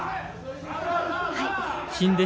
はい。